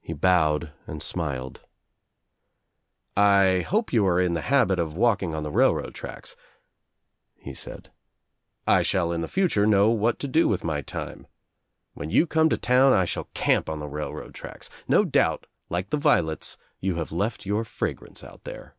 He bowed and smiled. "I hope you are in the habit of walking on railroad tracks," he said, "I shall in the future know what to do with my time. When you come to town I shall camp on the railroad tracks. No doubt, like the violets, you have left your fragrance out there."